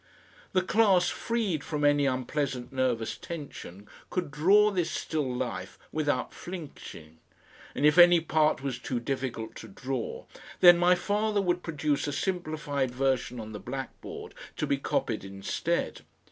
The class, freed from any unpleasant nervous tension, could draw this still life without flinching, and if any part was too difficult to draw, then my father would produce a simplified version on the blackboard to be copied instead.